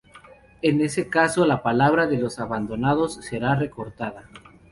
En ese caso la palabra de los abonados será recortada.